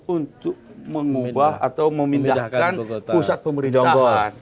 untuk mengubah atau memindahkan pusat pemerintahan